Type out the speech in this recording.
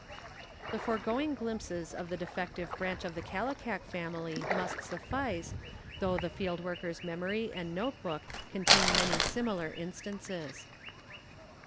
The foregoing glimpses of the defective branch of the Kallikak family must suffice, though the field worker's memory and notebook contain many similar instances.